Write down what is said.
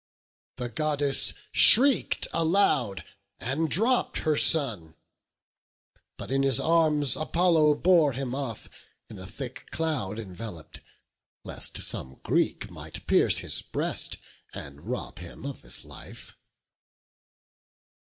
The Goddess shriek'd aloud, and dropp'd her son; But in his arms Apollo bore him off In a thick cloud envelop'd, lest some Greek Might pierce his breast, and rob him of his life.